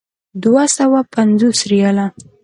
دوه سوه پنځوس ریاله.